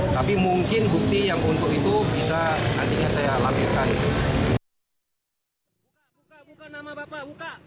tapi mungkin bukti yang untuk itu bisa nantinya saya lampirkan